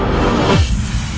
oh kita melancang aja lah